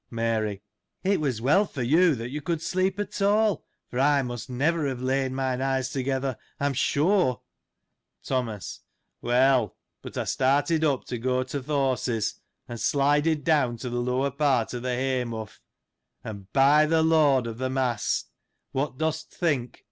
Mary. — It was well for you, that you could sleep at all, for I must never have lain mine eyes together, I am sure. Thomas. — Well : but I started up to go to th' horses, and slided down to the lower part of the hay mough : and by the Lord of the Mass ! what dost t' think